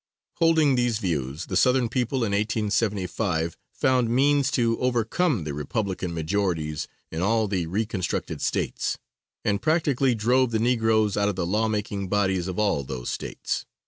Holding these views the Southern people in 1875, found means to overcome the Republican majorities in all the re constructed States, and practically drove the negroes out of the law making bodies of all those States.